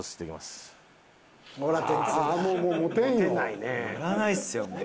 のらないですよ。